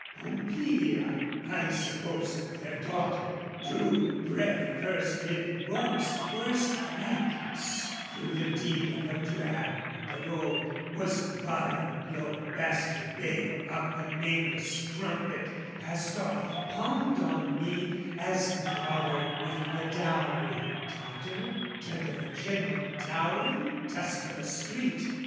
Pompilia, I supposed their daughter, drew Breath first 'mid Rome's worst rankness, through the deed Of a drab and a rogue, was bye blow bastard babe Of a nameless strumpet, passed off, palmed on me As the daughter with the dowry. Daughter? Dirt O' the kennel! Dowry? Dust o' the street!